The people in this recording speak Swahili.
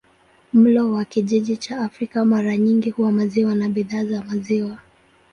Mlo wa kijiji cha Afrika mara nyingi huwa maziwa na bidhaa za maziwa.